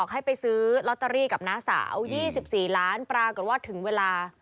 ให้ไปซื้อลอตเตอรี่กับน้าสาว๒๔ล้านปรากฏว่าถึงเวลา